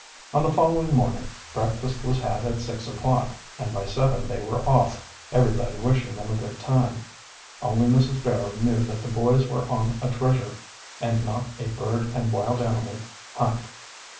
On the following morning breakfast was had at six o'clock, and by seven they were off, everybody wishing them a good time. Only Mrs. Barrow knew that the boys were on a treasure, and not a bird and wild animal, hunt.